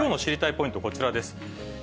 ポイント、こちらです。